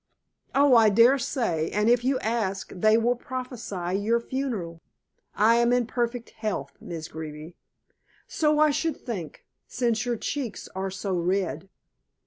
"Oh, I daresay, and if you ask they will prophesy your funeral." "I am in perfect health, Miss Greeby." "So I should think, since your cheeks are so red."